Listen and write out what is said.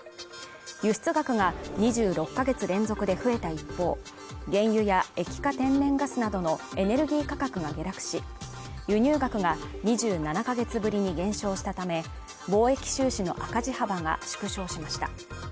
輸出額が２６か月連続で増えた一方、原油や液化天然ガスなどのエネルギー価格が下落し、輸入額が２７か月ぶりに減少したため、貿易収支の赤字幅が縮小しました。